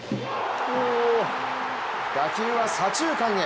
打球は左中間へ。